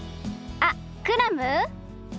あっクラム？